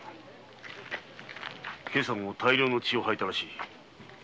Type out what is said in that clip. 今朝も大量の血を吐いたらしい。